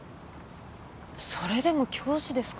それでも教師ですか？